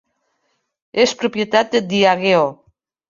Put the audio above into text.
És propietat de Diageo.